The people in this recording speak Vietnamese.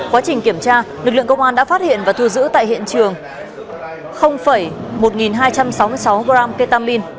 quá trình kiểm tra lực lượng công an đã phát hiện và thu giữ tại hiện trường một hai trăm sáu mươi sáu gram ketamin